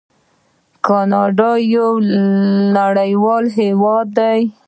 کاناډا یو نړیوال هیواد دی.